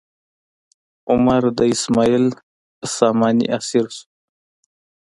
عمر د اسماعیل ساماني اسیر شو.